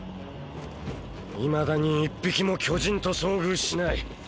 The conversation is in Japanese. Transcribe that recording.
いまだに一匹も巨人と遭遇しない。